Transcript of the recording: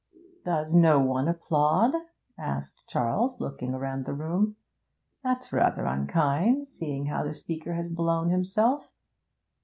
'Does no one applaud?' asked Charles, looking round the room. 'That's rather unkind, seeing how the speaker has blown himself.